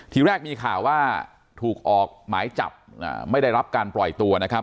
ทีแรกมีข่าวว่าถูกออกหมายจับไม่ได้รับการปล่อยตัวนะครับ